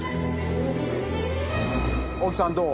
小木さんどう？